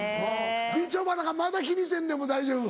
みちょぱなんかまだ気にせんでも大丈夫？